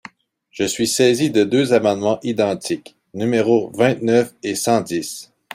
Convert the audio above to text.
Je suis saisi de deux amendements identiques, numéros vingt-neuf et cent dix.